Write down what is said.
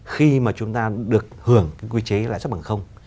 khi mà chúng ta được hưởng quy chế lại cho bằng không